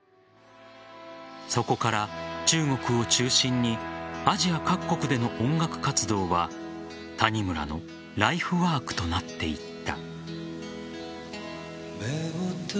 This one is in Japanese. そこから、中国を中心にアジア各国での音楽活動は谷村のライフワークとなっていった。